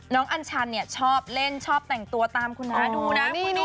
อัญชันเนี่ยชอบเล่นชอบแต่งตัวตามคุณน้าดูนะ